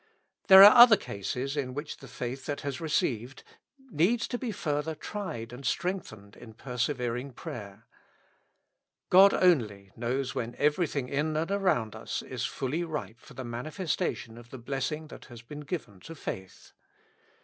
There are other cases in which the faith that has received needs to be still further tried and strengthened in persevering prayer. God only knows when every thing in and around us is fully ripe for the manifesta tion of the blessing that has been given to faith.